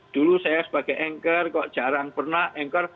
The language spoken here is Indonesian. dulu saya sebagai anchor kok jarang pernah anchor